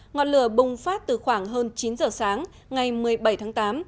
ngọn lửa bùng phát từ khoảng hơn chín giờ sáng ngày một mươi bảy tháng tám